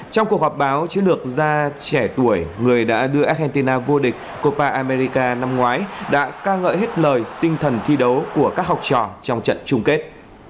trong cuộc họp báo chiến lược ra trẻ tuổi người đã đưa argentina vô địch copa america năm ngoái đã ca ngợi hết lời tinh thần thi đấu của các học trò trong trận chung kết